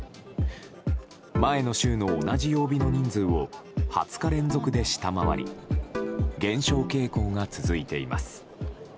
前の週の同じ曜日の人数を２０日連続で下回り減少傾向が続いています。